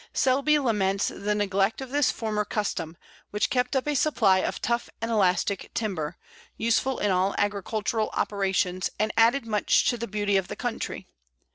Selby laments the neglect of this former custom, which kept up a supply of tough and elastic timber, useful in all agricultural operations, and added much to the beauty of the country.